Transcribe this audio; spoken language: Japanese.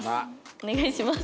お願いします。